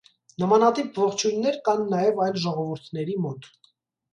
Նմանատիպ ողջույներ կան նաև այլ ժողովուրդների մոտ։